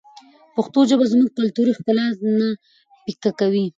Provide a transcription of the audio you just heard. پښتو ژبه زموږ کلتوري ښکلا نه پیکه کوي.